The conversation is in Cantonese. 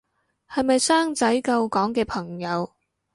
係咪生仔救港嘅朋友